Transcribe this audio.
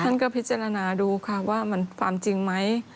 ท่านก็พิจารณาดูค่ะว่ามันความจริงไหม